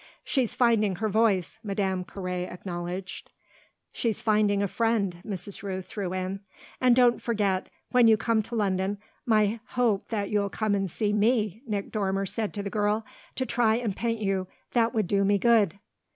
"She's finding her voice," Madame Carré acknowledged. "She's finding a friend!" Mrs. Rooth threw in. "And don't forget, when you come to London, my hope that you'll come and see me," Nick Dormer said to the girl. "To try and paint you that would do me good!"